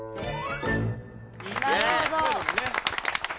なるほど。